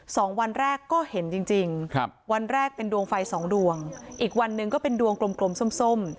สองวันแรกก็เห็นจริงวันแรกเป็นดวงไฟ๒ดวงอีกวันหนึ่งก็เป็นดวงกลมซ้ม